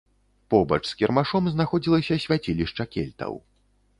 Побач з кірмашом знаходзілася свяцілішча кельтаў.